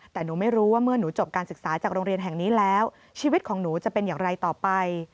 แต่หนูไม่รู้ว่าเมื่อหนูจบการศึกษาจากโรงเรียนแห่งนี้แล้วชีวิตของหนูจะเป็นอย่างไรต่อไป